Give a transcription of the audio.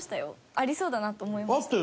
ありそうだなと思いました。